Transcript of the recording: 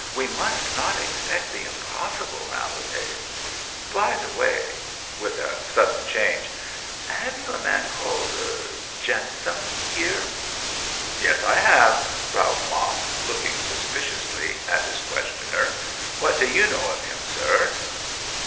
'We must not expect the impossible nowadays. By the way' with a sudden change 'have you a man called Jentham here?' 'Yes, I have,' growled Mosk, looking suspiciously at his questioner. 'What do you know of him, sir?'